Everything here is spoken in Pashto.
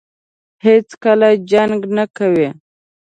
هېڅکله جنګ نه کوي.